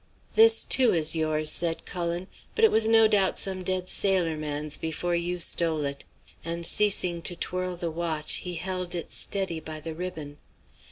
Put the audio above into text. "'This, too, is yours,' said Cullen, 'but it was no doubt some dead sailorman's before you stole it;' and ceasing to twirl the watch he held it steady by the ribbon.